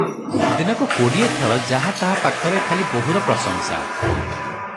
ଦିନକୁ କୋଡ଼ିଏ ଥର ଯାହା ତାହା ପାଖରେ ଖାଲି ବୋହୂର ପ୍ରଶଂସା ।